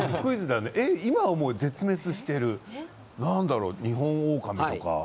今はもう絶滅しているニホンオオカミとか？